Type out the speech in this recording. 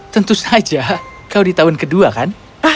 tentu saja kau di tahun kedua kan